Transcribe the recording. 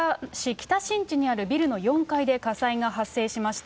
北新地にあるビルの４階で火災が発生しました。